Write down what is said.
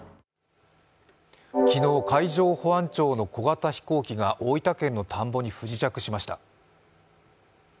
昨日海上保安庁の小型飛行機が大分県の田んぼに不時着しました。